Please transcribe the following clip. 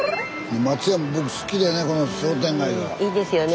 うんいいですよね